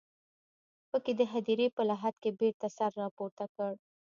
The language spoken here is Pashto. په کې د هديرې په لحد کې بېرته سر راپورته کړ.